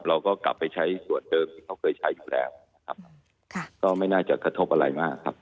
เราก็กลับไปใช้ส่วนเดิมที่เขาเคยใช้อยู่แล้วนะครับค่ะก็ไม่น่าจะกระทบอะไรมากครับ